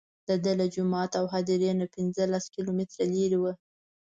دده له جومات او هدیرې نه پنځه لس کیلومتره لرې وه.